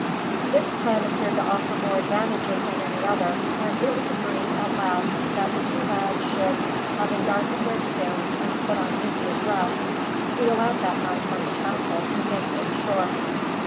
This plan appeared to offer more advantages than any other; and it was agreed, at last, that the two lads should, having darkened their skins and put on Indian dress, steal out that night from the castle and make for the shore.